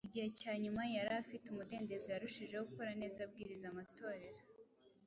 Iki gihe cya nyuma yari afite umudendezo yarushijeho gukora neza abwiriza amatorero.